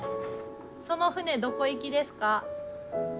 その船どこ行きですか？